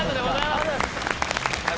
ありがとうございます！